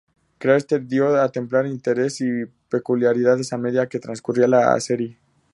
Charteris dio a Templar intereses y peculiaridades a medida que transcurría la serie.